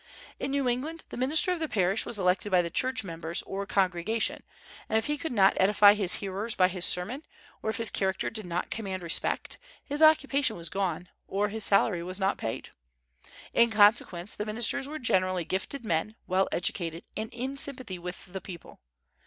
In New England the minister of the parish was elected by the church members or congregation, and if he could not edify his hearers by his sermons, or if his character did not command respect, his occupation was gone, or his salary was not paid. In consequence the ministers were generally gifted men, well educated, and in sympathy with the people.